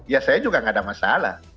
ya saya juga nggak ada masalah